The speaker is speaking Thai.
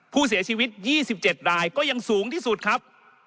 ผู้เสียชีวิต๒๗รายก็ยังสูงที่สุดครับ